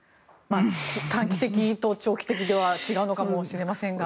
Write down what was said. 短期的と長期的では違うのかもしれませんが。